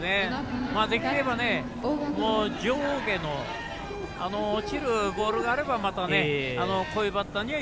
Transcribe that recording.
できれば上下の落ちるボールがあればまた、こういうバッターには